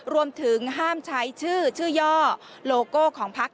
รวมถึงห้ามใช้ชื่อชื่อย่อโลโก้ของพัก